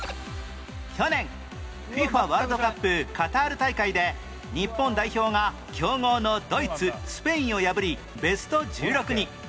去年 ＦＩＦＡ ワールドカップカタール大会で日本代表が強豪のドイツスペインを破りベスト１６に